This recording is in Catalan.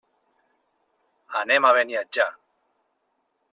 Anem a Beniatjar.